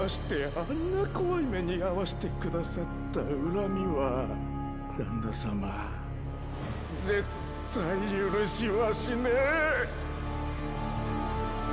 あんな怖い目に遭わしてくださった「恨み」はだんな様絶対許しはしねェェ。